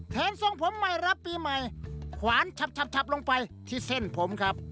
ทรงผมใหม่รับปีใหม่ขวานฉับลงไปที่เส้นผมครับ